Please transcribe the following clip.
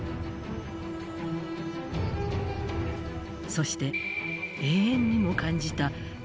「そして永遠にも感じた」